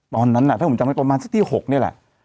ตอนนั้นถ้าผมจำเป็นประมาณสิทธิ์๖นี่แหละ